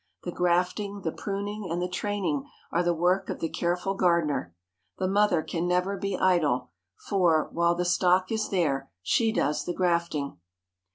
The grafting, the pruning, and the training are the work of the careful gardener. The mother can never be idle, for, while the stock is there, she does the grafting.